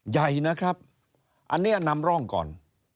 ใหญ่นะครับอันนี้นำร่องก่อน